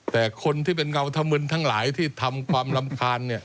แต่คนที่เป็นเงาธมึนทั้งหลายที่ทำความรำคาญเนี่ย